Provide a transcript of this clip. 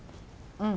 うん！